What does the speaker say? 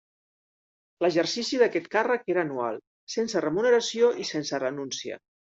L'exercici d'aquest càrrec era anual, sense remuneració i sense renúncia.